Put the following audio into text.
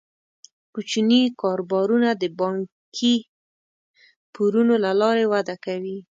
کوچني کاروبارونه د بانکي پورونو له لارې وده کوي.